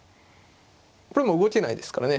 これもう動けないですからね。